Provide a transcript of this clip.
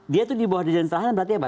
dia itu dibawah dirijen selatan berarti apa